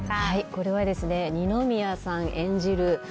これは、二宮和也さん演じる